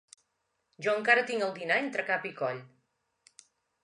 Jo encara tinc el dinar entre cap i coll.